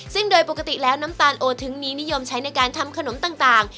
ซึ่งโดยปกติแล้วน้ำตาลโอทึ้งมีนิยมใช้ในการทำขนมต่าง